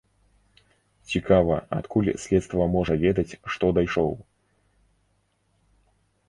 Цікава, адкуль следства можа ведаць, што дайшоў?